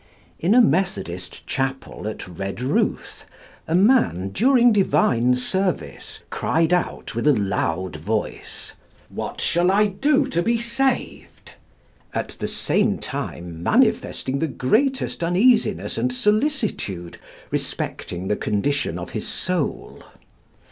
In a methodist chapel at Redruth, a man during divine service cried out with a loud voice, "What shall I do to be saved?" at the same time manifesting the greatest uneasiness and solicitude respecting the condition of his soul.